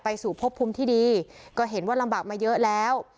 สู่พบภูมิที่ดีก็เห็นว่าลำบากมาเยอะแล้ว